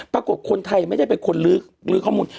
คนไทยไม่ได้เป็นคนลื้อข้อมูล